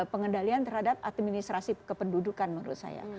pengendalian terhadap administrasi kependudukan menurut saya